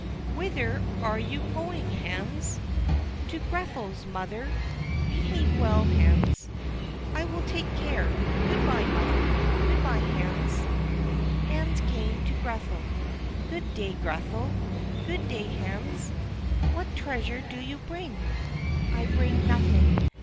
"Whither are you going, Hans?" "To Grethel's, mother." "Behave well, Hans." "I will take care; good by, mother." "Good by, Hans." Hans came to Grethel. "Good day, Grethel." "Good day, Hans. What treasure do you bring?" "I bring nothing.